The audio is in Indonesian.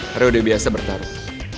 hari udah biasa bertarung